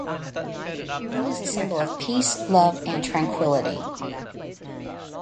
The moon is a symbol of peace, love, and tranquility.